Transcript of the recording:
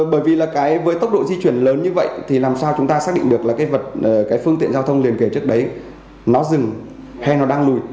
bởi vì là cái với tốc độ di chuyển lớn như vậy thì làm sao chúng ta xác định được là cái vật cái phương tiện giao thông liền kề trước đấy nó dừng hay nó đang lùi